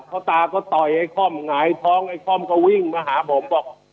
ตาก็ต่อยไอ้ค่อมหงายท้องไอ้ค่อมก็วิ่งมาหาผมบอก